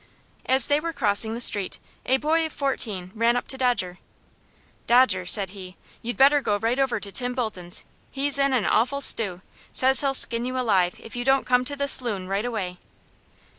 As they were crossing the street, a boy of fourteen ran up to Dodger. "Dodger," said he, "you'd better go right over to Tim Bolton's. He's in an awful stew says he'll skin you alive if you don't come to the s'loon right away."